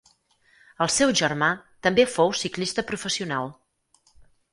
El seu germà també fou ciclista professional.